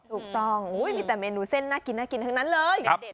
ถูกต้องมีแต่เมนูเส้นน่ากินน่ากินทั้งนั้นเลยเด็ด